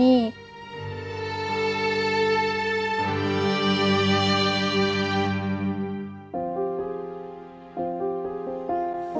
ไม่มีที่จะเป็นแรง